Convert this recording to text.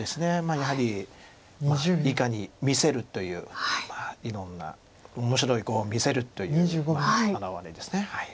やはりいかに見せるといういろんな面白い碁を見せるという表れです。